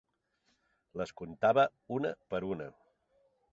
Les comptava una per una.